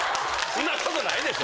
そんなことないでしょ。